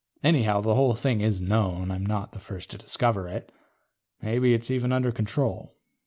Anyhow, the whole thing is known; I'm not the first to discover it. Maybe it's even under control.